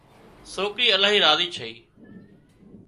سوڪرِي الاهي راضي ڇئي